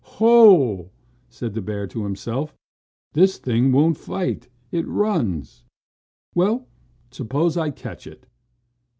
"Ho!" said the bear to himself, "this thing won't fight it runs. Well, suppose I catch it."